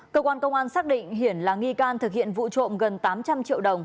cơ quan công an xác định hiển là nghi can thực hiện vụ trộm gần tám trăm linh triệu đồng